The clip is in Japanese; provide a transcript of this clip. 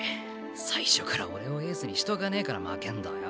最初から俺をエースにしとかねえから負けんだよ。